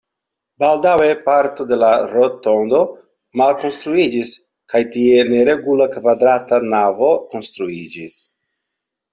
Baldaŭe parto de la rotondo malkonstruiĝis kaj tie neregula kvadrata navo konstruiĝis.